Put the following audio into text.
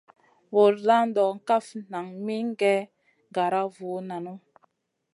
Bur NDA ndo kaf nan min gue gara vu nanu.